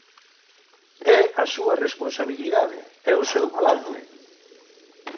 É a súa responsabilidade, é o seu balance.